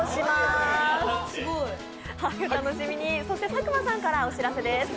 佐久間さんからお知らせです。